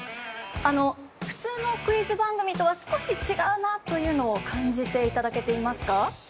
あの普通のクイズ番組とは少し違うなというのを感じていただけていますか？